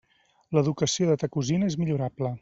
L'educació de ta cosina és millorable.